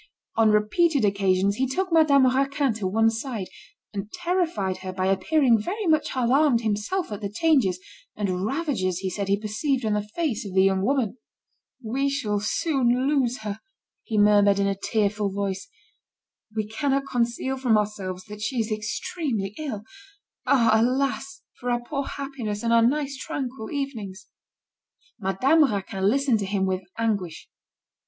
On repeated occasions, he took Madame Raquin to one side, and terrified her by appearing very much alarmed himself at the changes and ravages he said he perceived on the face of the young woman. "We shall soon lose her," he murmured in a tearful voice. "We cannot conceal from ourselves that she is extremely ill. Ah! alas, for our poor happiness, and our nice tranquil evenings!" Madame Raquin listened to him with anguish.